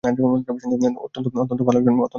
অত্যন্ত ভাল একজন দেবতা।